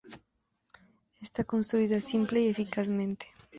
Está construida simple y eficazmente.